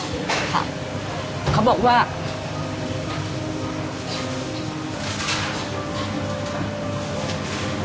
พ่อเป็นจับกังอยู่กับรงศรี